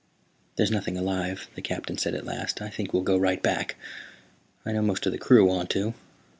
"There's nothing alive," the Captain said at last. "I think we'll go right back; I know most of the crew want to.